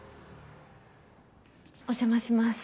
お邪魔します。